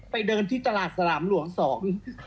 เดินที่ตลาดสนามหลวงสอง